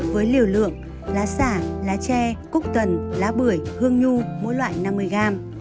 với liều lượng lá xả lá tre cúc tần lá bưởi hương nhu mỗi loại năm mươi g